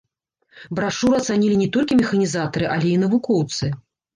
Брашуру ацанілі не толькі механізатары, але і навукоўцы.